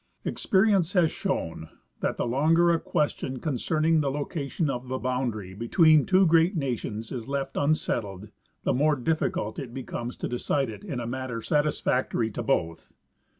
Experience has shown that the longer a question concerning the location of the l)oundary between two great nations is left unsettled the more difficult it becomes to decide it in a manner satisfactory Definition of the Boundary. 179 to both.